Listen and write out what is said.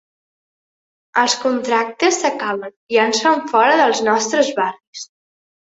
Els contractes s’acaben i ens fan fora dels nostres barris.